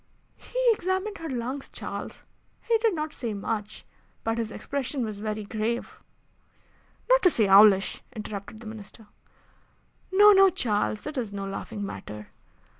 "He examined her lungs, Charles. He did not say much, but his expression was very grave." "Not to say owlish," interrupted the Minister. "No, no, Charles; it is no laughing matter.